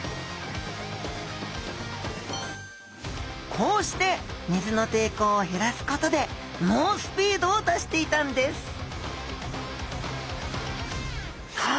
こうして水の抵抗を減らすことで猛スピードを出していたんですさあ